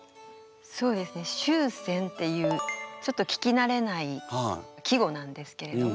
そうですね「秋蝉」っていうちょっと聞き慣れない季語なんですけれども。